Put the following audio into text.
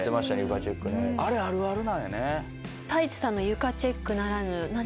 あれあるあるなんやね。